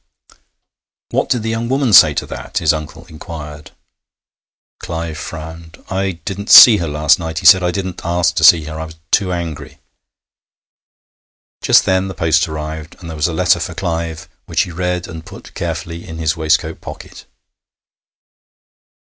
'What did the young woman say to that?' his uncle inquired. Clive frowned. 'I didn't see her last night,' he said. 'I didn't ask to see her. I was too angry.' Just then the post arrived, and there was a letter for Clive, which he read and put carefully in his waistcoat pocket.